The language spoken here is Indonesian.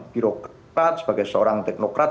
birokrat sebagai seorang teknokrat